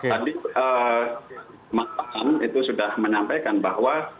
tadi malam itu sudah menyampaikan bahwa